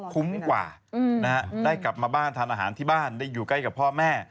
คุ้มกว่าได้กลับมาบ้านทานอาหารที่บ้านได้อยู่ใกล้กับพ่อแม่